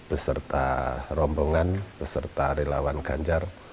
beserta rombongan beserta relawan ganjar